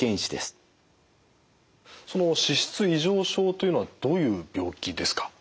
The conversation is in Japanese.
その脂質異常症というのはどういう病気ですか？